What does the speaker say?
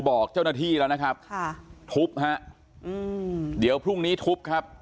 บอกเจ้าหน้าที่แล้วนะครับค่ะทุบฮะอืมเดี๋ยวพรุ่งนี้ทุบครับ